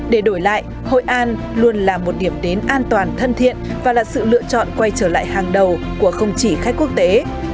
để đổi lại hội an luôn là một điểm đến an toàn thân thiện và là sự lựa chọn quay trở lại hàng đầu của không chỉ khách quốc tế